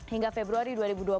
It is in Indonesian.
hingga februari dua ribu dua puluh